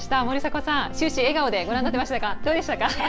森迫さん、終始笑顔でご覧になってましたがどうでしたか？